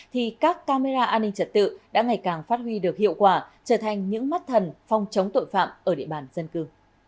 thì các camera an ninh trật tự đã ngày càng phát huy được hiệu quả trở thành những mắt thần phong chống tội phạm ở địa bàn dân cư